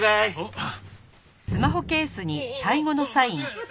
あっ！